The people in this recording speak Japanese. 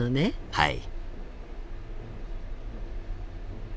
はい。